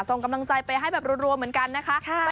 ส่งกำลังใจไปให้แบบรวมเหมือนกันนะคะ